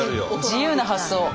自由な発想。